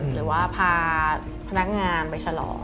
หรือว่าพาพนักงานไปฉลอง